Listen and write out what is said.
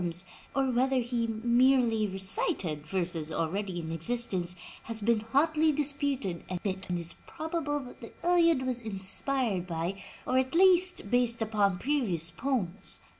189 M Y BOOK HOUSE or whether he merely recited verses already in existence, has been hotly disputed and it is probable that the Iliad was inspired by, or at least based upon previous poems.